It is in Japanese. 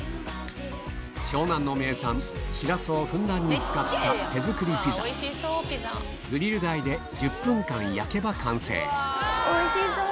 湘南の名産シラスをふんだんに使ったグリル台で１０分間焼けば完成おいしそう！